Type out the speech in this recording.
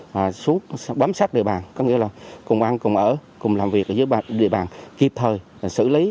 và bám sát địa bàn có nghĩa là cùng ăn cùng ở cùng làm việc ở dưới địa bàn kịp thời xử lý